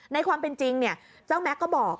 ในความเป็นจริงเจ้าแม็กซ์ก็บอก